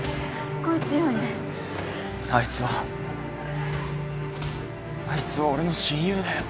あいつはあいつは俺の親友だよ。